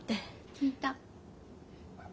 聞いた。